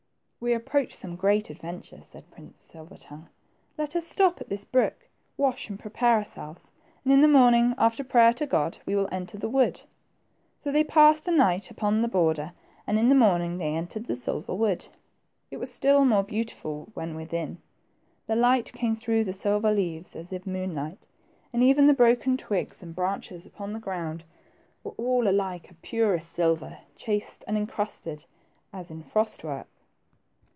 We approach some great adventure," said Prince Silver tongue ; let us stop at this brook, wash, and prepare ourselves, and in the morning, after prayer to God, we will enter the. wood." So they passed the night upon the border, and in the morning, they entered the silver wood. It was still more beautiful when within. The light came through the silver leaves, as if moonlight, and even the broken twigs and branches upon the ground were all 92 THE TWO PRINCES. alike of purest silver, chased and encrusted as in frost work.